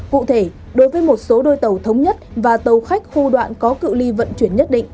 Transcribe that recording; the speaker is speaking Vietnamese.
cụ thể đối với một số đôi tàu thống nhất và tàu khách khu đoạn có cự li vận chuyển nhất định